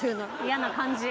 嫌な感じ。